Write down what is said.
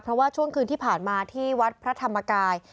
เพราะว่าช่วงคืนที่ผ่านมาที่วัดพระธรรมกาย